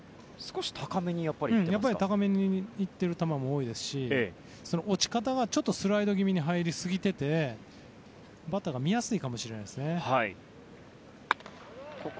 やはり高めにいっている球も多いですし落ち方がちょっとスライド気味に入りすぎててバッターが見やすいかもしれないですね。